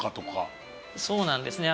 そうなんですね